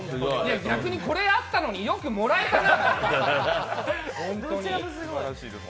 逆にこれあったのによくもらえたな！